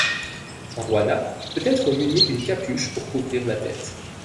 Un ruana peut être muni d'une capuche pour couvrir la tête.